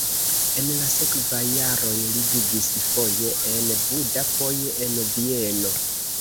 En la sekvaj jaroj li vivis foje en Buda, foje en Vieno.